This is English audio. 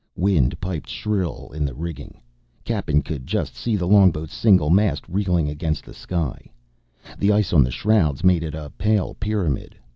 Wind piped shrill in the rigging. Cappen could just see the longboat's single mast reeling against the sky. The ice on the shrouds made it a pale pyramid.